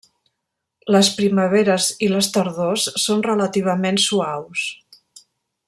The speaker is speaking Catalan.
Les primaveres i les tardors són relativament suaus.